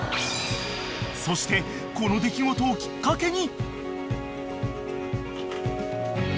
［そしてこの出来事をきっかけに］